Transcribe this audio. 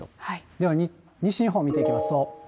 では西日本見ていきますと。